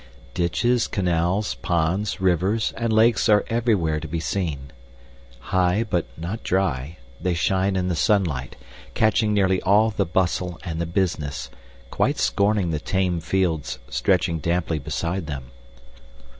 Ditches, canals, ponds, rivers, and lakes are everywhere to be seen. High, but not dry, they shine in the sunlight, catching nearly all the bustle and the business, quite scorning the tame fields stretching damply beside them.